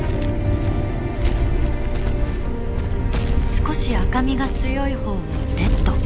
少し赤身が強いほうをレッド。